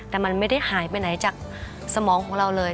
แต่มันไม่ได้หายไปไหนจากสมองของเราเลย